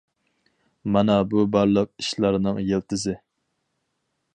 مانا بۇ بارلىق ئىشلارنىڭ يىلتىزى.